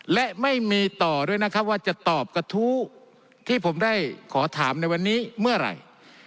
และไม่มีต่อด้วยนะครับว่าจะตอบกระทู้ที่ผมได้ขอถามในวันนี้เมื่อไหร่